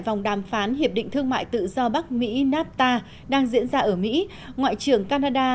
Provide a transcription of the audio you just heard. vòng đàm phán hiệp định thương mại tự do bắc mỹ nafta đang diễn ra ở mỹ ngoại trưởng canada